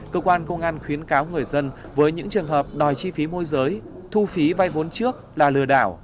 cơ quan công an khuyến cáo người dân với những trường hợp đòi chi phí môi giới thu phí vay vốn trước là lừa đảo